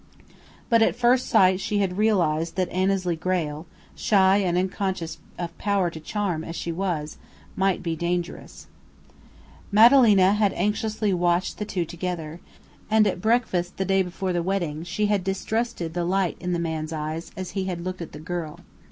But at first sight she had realized that Annesley Grayle, shy and unconscious of power to charm as she was, might be dangerous. Madalena had anxiously watched the two together, and at breakfast the day before the wedding she had distrusted the light in the man's eyes as he looked at the girl.